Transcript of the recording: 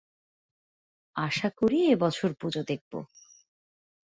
আশা করি, এ বছর পূজা দেখব।